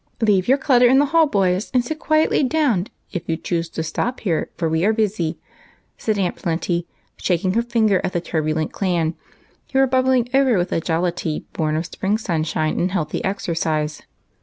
'' Leave your clutter in the hall, boys, and sit quietly down if you choose to stop here, for we are busy," said Aunt Plenty, shaking her finger at the turbulent clan, who were bubbling over with the jollity born of spring sunshine and healthy exercise.